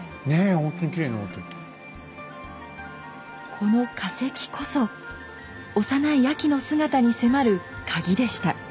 この化石こそ幼いあきの姿に迫るカギでした。